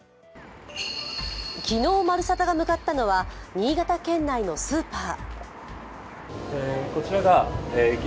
昨日「まるサタ」が向かったのは新潟県内のスーパー。